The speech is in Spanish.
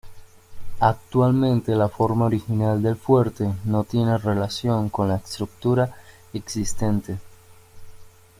Actualmente la forma original del fuerte no tiene relación con la estructura existente.